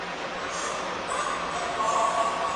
خامه مسویده کتل تر وروستۍ هغې خورا ګټور دي.